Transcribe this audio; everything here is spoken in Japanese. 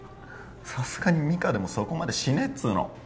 さすがにミカでもそこまでしねえっつうの。